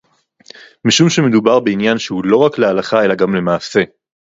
משום שמדובר בעניין שהוא לא רק להלכה אלא גם למעשה